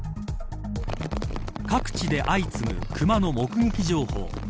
各地で相次ぐ熊の目撃情報。